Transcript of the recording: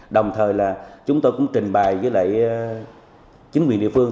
đồng thời là chúng tôi cũng trình bài với lại chính quyền địa phương